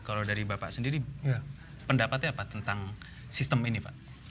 kalau dari bapak sendiri pendapatnya apa tentang sistem ini pak